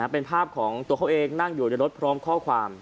เป็นภาพของตัวเขาเองนั่งอยู่ในรถพร้อมข้อความ